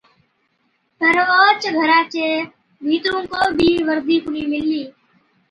پَر اوهچ گھرا چي ڀِيترُون ڪو بِي ورندِي ڪونهِي مِللِي۔